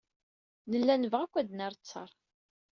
Nella nebɣa akk ad d-nerr ttaṛ.